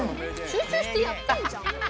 集中してやってんじゃん！